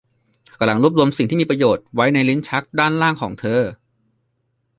เธอกำลังรวบรวมสิ่งที่มีประโยชน์ไว้ในลิ้นชักด้านล่างของเธอ